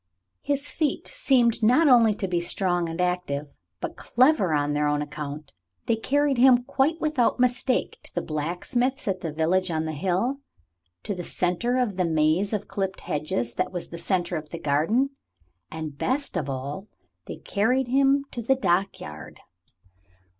His feet seemed not only to be strong and active, but clever on their own account. They carried him quite without mistake to the blacksmith's at the village on the hill to the centre of the maze of clipped hedges that was the centre of the garden, and best of all they carried him to the dockyard.